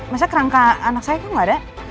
masa kerangka anak saya kan enggak ada